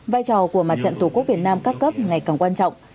vai trò của mặt trận tổ quốc việt nam các cấp ngày càng quan trọng